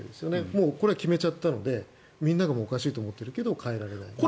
もうこれは決めちゃったのでみんながおかしいと思っちゃってるけど変えられない。